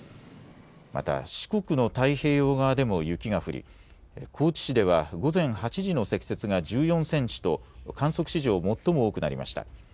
また四国の太平洋側でも雪が降り、高知市では午前８時の積雪が１４センチと、観測史上最も多くなりました。